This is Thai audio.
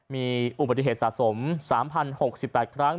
มีอุบัติเหตุสะสม๓๐๖๘ครั้ง